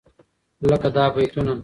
لکه دا بيتونه: